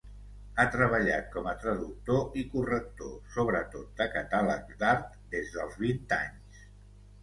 Ha treballat com a traductor i corrector, sobretot de catàlegs d'art, des dels vint anys.